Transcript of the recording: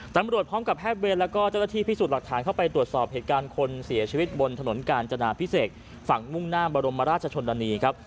ตำรวจพร้อมกับแพทย์เวรแล้วก็เจ้าหน้าที่พิสูจน์หลักฐานเข้าไปตรวจสอบเหตุการณ์คนเสียชีวิตบนถนนกาญจนาพิเศษฝั่งมุ่งหน้าบรมราชชนนานีครับ